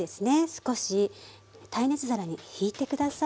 少し耐熱熱皿にひいて下さい。